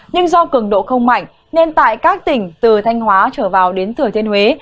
nhưng do cường độ không mạnh nên tại các tỉnh từ thanh hóa trở vào đến thừa thiên huế